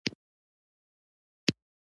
حشوي لیدلوری تر نیوکې لاندې راشي.